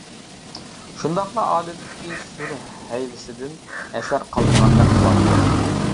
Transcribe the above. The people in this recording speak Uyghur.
شۇنداقلا ئادەتتىكى سۈر-ھەيۋىسىدىن ئەسەر قالمىغاندەك قىلاتتى.